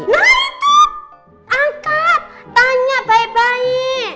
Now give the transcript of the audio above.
nah itu angkat tanya baik baik